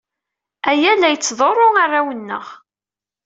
Aya la yettḍurru arraw-nneɣ.